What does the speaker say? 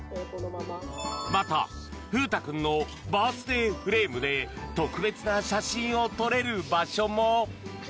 また、風太君のバースデーフレームで特別な写真を撮れる場所も。